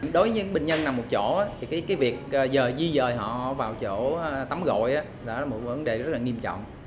đối với những bệnh nhân nằm một chỗ việc dì dời họ vào chỗ tắm gội là một vấn đề rất nghiêm trọng